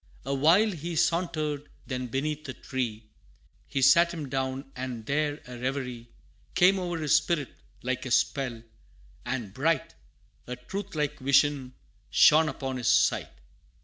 Awhile he sauntered then beneath a tree, He sat him down, and there a reverie Came o'er his spirit like a spell, and bright, A truth like vision, shone upon his sight.